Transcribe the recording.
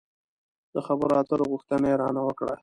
د خبرو اترو غوښتنه يې را نه وکړه.